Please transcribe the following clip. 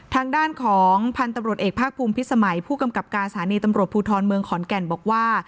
ทางด้านของพันธุ์ตำรวจเอกภาคภูมิพิสมัยผู้กำกับการสถานีตำรวจภูทรเมืองขอนแก่นบอกว่า